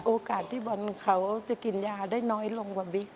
โอกาสที่บอลเขาจะกินยาได้น้อยลงกว่าบิ๊ก